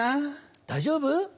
大丈夫？